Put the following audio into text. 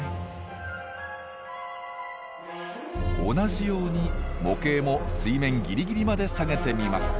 同じように模型も水面ギリギリまで下げてみます。